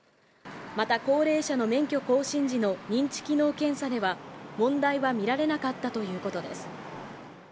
また、高齢者の免許更新時の認知機能検査では問題は見られなかったということです。